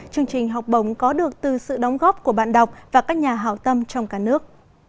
chương trình học bổng có được từ sự đóng góp của bạn đọc và các nhà hảo tâm trong cả nước